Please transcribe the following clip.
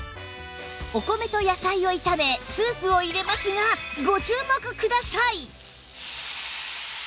お米と野菜を炒めスープを入れますがご注目ください